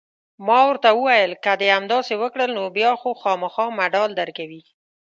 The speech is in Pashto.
ما ورته وویل: که دې همداسې وکړل، نو بیا خو خامخا مډال درکوي.